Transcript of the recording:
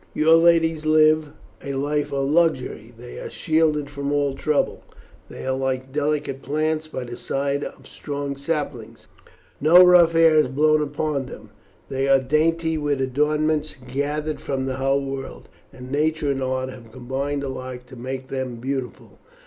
Your ladies live a life of luxury. They are shielded from all trouble. They are like delicate plants by the side of strong saplings. No rough air has blown upon them. They are dainty with adornments gathered from the whole world, and nature and art have combined alike to make them beautiful."